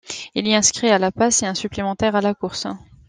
Il y inscrit à la passe et un supplémentaire à la course.